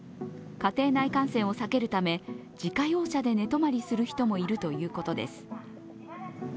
家庭内感染を避けるため、自家用車で寝泊まりする人もいるということです。